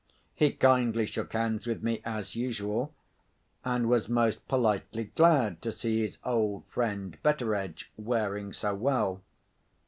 He kindly shook hands with me as usual, and was most politely glad to see his old friend Betteredge wearing so well.